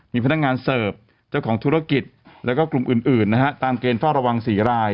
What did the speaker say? มีพนักงานเสิร์ฟเจ้าของธุรกิจแล้วก็กลุ่มอื่นนะฮะตามเกณฑ์เฝ้าระวัง๔ราย